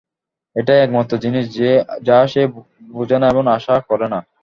এটাই একমাত্র জিনিস যা সে বুঝেনা এবং আশা করেনা।